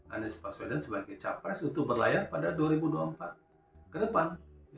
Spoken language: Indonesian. anies baswedan sebagai capres untuk berlayar pada dua ribu dua puluh empat ke depan